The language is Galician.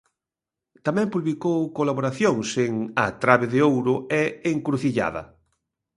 Tamén publicou colaboracións en A Trabe de Ouro e Encrucillada.